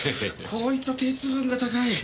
こいつは鉄分が高い！